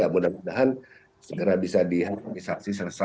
mudah mudahan segera bisa dihantar